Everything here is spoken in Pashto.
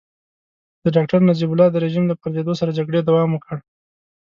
د ډاکټر نجیب الله د رژيم له پرزېدو سره جګړې دوام وکړ.